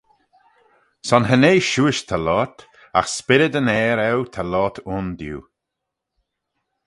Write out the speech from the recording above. Son cha nee shiuish ta loayrt, agh spyrryd yn Ayr eu ta loayrt ayndiu.